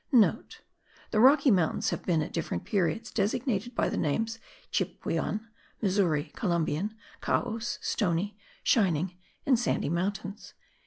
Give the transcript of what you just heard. (* The Rocky Mountains have been at different periods designated by the names of Chypewyan, Missouri, Columbian, Caous, Stony, Shining and Sandy Mountains.)